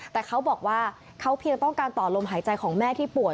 แต่เขาบอกว่าเขาเพียงต้องการต่อลมหายใจของแม่ที่ป่วย